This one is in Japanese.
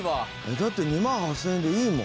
だって２万８０００円でいいもん。